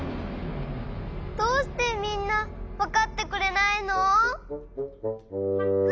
どうしてみんなわかってくれないの！？